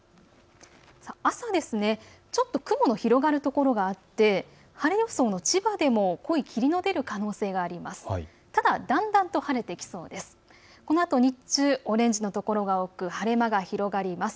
朝は雲が広がるところがあって晴れ予想の千葉でも濃い霧が出る可能性があります。